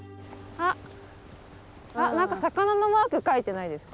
あっ何か魚のマーク描いてないですか？